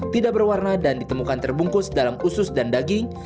tidak berwarna dan ditemukan terbungkus dalam usus dan daging